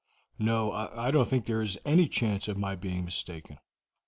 "No, I don't think there is any chance of my being mistaken.